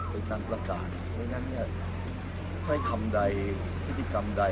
ไปกล้ามประกาศไงไม่กำไดพิธีกำได